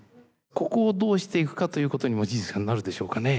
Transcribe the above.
ここをどうしていくかということに望月さんなるでしょうかね？